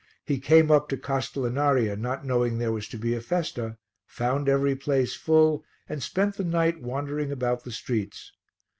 He came up to Castellinaria, not knowing there was to be a festa, found every place full and spent the night wandering about the streets.